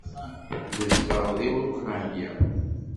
Nezdeɣ deg Ukṛanya.